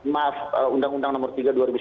maaf undang undang nomor tiga dua ribu sembilan